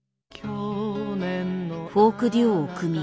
フォークデュオを組み